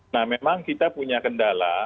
nah memang kita punya kendala